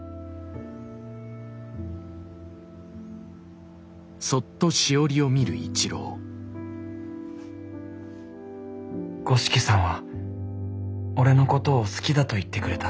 心の声五色さんは俺のことを好きだと言ってくれた。